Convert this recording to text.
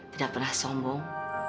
tidak pernah sombong